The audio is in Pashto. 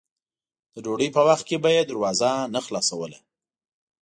د ډوډۍ په وخت کې به یې دروازه نه خلاصوله.